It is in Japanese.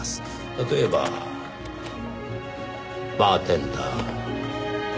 例えばバーテンダー。